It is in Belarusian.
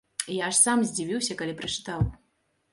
Я аж сам здзівіўся, калі прачытаў.